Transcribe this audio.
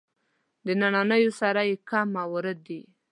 د نننیو سره یې کم موارد دي.